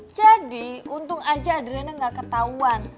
jadi untung aja adriana gak ketauan